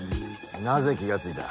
なぜ気がついた？